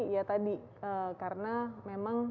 ya tadi karena memang